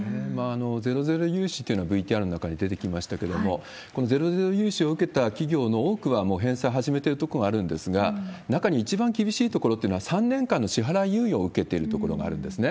ゼロゼロ融資っていうのは、ＶＴＲの中に出てきましたけれども、このゼロゼロ融資を受けた企業の多くは、もう返済を始めてる所があるんですが、中には一番厳しいところっていうのは、３年間の支払い猶予を受けている所があるんですね。